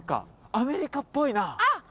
アメリカっぽい。